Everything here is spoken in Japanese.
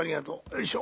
よいしょ」。